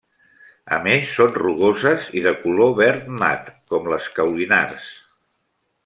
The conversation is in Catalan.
A més, són rugoses i de color verd mat com les caulinars.